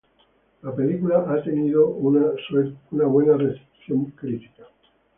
La película ha tenido una buena recepción crítica.